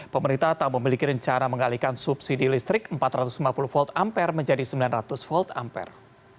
pemerintah tak memiliki rencana mengalihkan subsidi listrik empat ratus lima puluh volt ampere menjadi sembilan ratus volt ampere